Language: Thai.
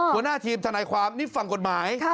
หัวหน้าทีมทนายความนี่ฝั่งกฎหมาย